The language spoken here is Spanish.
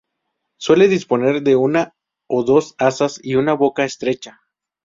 Suele disponer de una o dos asas y una boca estrecha.